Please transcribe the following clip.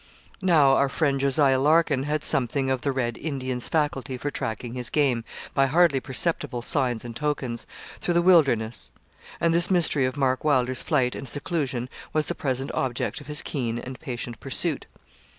Now our friend Jos. Larkin had something of the Red Indian's faculty for tracking his game, by hardly perceptible signs and tokens, through the wilderness; and this mystery of Mark Wylder's flight and seclusion was the present object of his keen and patient pursuit.